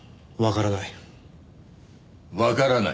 わからない。